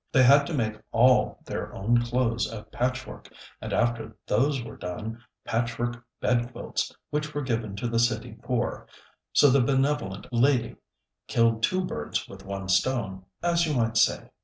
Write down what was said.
They had to make all their own clothes of patchwork, and after those were done, patchwork bed quilts, which were given to the city poor; so the benevolent lady killed two birds with one stone, as you might say.